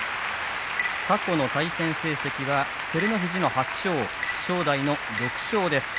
過去の対戦成績は照ノ富士の８勝正代が６勝です。